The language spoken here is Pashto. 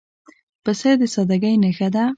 پسه د سادګۍ نښه ده.